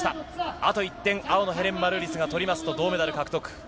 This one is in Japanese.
あと１点、青のヘレン・マルーリスが取りますと銅メダル獲得。